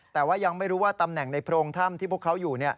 แต่ว่ายังไม่รู้ว่าตำแหน่งในโพรงถ้ำที่พวกเขาอยู่